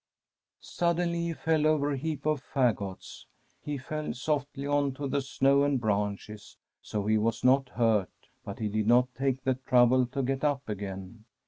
Suddenly he fell over a heap of fagots. He fell softly on to the snow and branches, so he was not hurt, but he did not take the trouble to get up again.